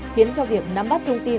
khiến cho việc nắm bắt thông tin